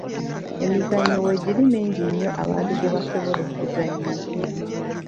Emizannyo weegiri mingi nnyo abantu gye basobola okuzannya.